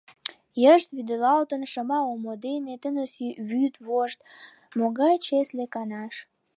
Йышт вӱдылалтын шыма омо дене, Тыныс йӱр вошт могай чесле канаш!